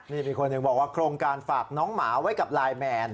นี่มีคนหนึ่งบอกว่าโครงการฝากน้องหมาไว้กับไลน์แมน